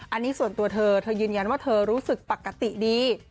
อันนี้ส่วนตัวเธอเธอยืนยันว่าเธอรู้สึกปกติดี